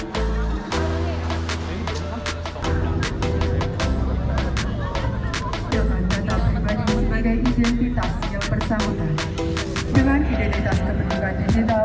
dengan identitas kepentingan digital